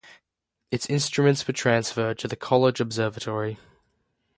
Its instruments were transferred to the College Observatory.